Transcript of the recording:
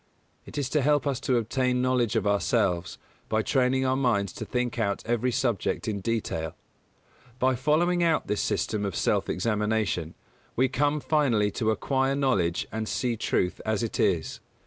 It is to help us to obtain knowledge of ourselves, by training our minds to think out every subject in detail. By following out this system of self examination, we come finally to acquire knowledge and see truth as it is.